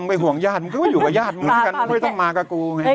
ไปห่วงญาติมึงก็อยู่กับญาติมึงกันไม่ต้องมากับกูไง